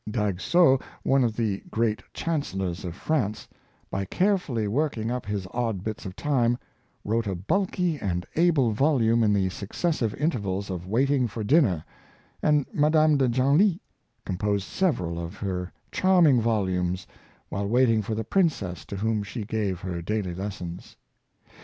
Daguesseau, one of the great chancellors of France, by carefully working up his odd bits of time, wrote a bulky and able volume in the successive intervals of waiting for dinner, and Madame de Genlis composed several of her charming volumes while waiting for the princess to whom she gave her daily lessons.